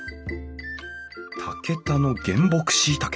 竹田の原木しいたけ。